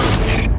kau isfri lu kan